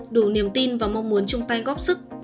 đủ niềm tin và mong muốn chung tay góp sức